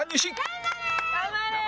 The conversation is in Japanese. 頑張れ！